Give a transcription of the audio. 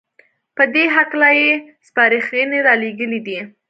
په دې هکله يې سپارښنې رالېږلې دي